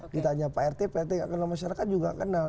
ditanya pak rt prt nggak kenal masyarakat juga kenal